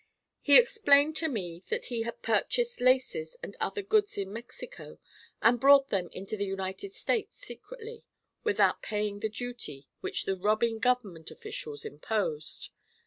He explained to me that he had purchased laces and other goods in Mexico and brought them into the United States secretly, without paying the duty which the robbing government officials imposed.